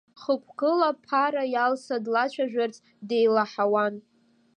Хықәкыла Ԥара Иалса длацәажәарц деилаҳауан.